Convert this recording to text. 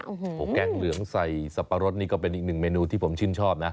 โอ้โหแกงเหลืองใส่สับปะรดนี่ก็เป็นอีกหนึ่งเมนูที่ผมชื่นชอบนะ